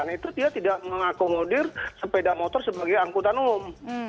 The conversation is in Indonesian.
dua ribu sembilan itu dia tidak mengakomodir sepeda motor sebagai angkutan umum